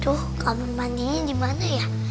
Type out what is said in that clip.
tuh kamar mandinya dimana ya